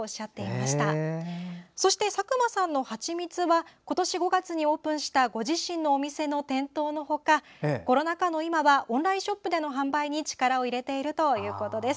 また佐久間さんのハチミツは今年５月にオープンしたご自身のお店の店頭のほか、コロナ禍の今はオンラインショップでの販売に力を入れているということです。